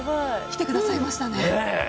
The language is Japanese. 来てくださいましたね。